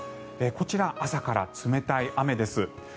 こちら、朝から冷たい雨です。